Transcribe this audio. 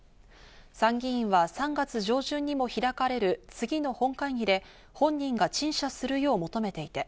参議院は３月上旬にも開かれる次の本会議で本人が陳謝するよう求めていて、